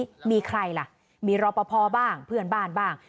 มีใครล่ะมีรอปภบ้างเพื่อนบ้านบ้าง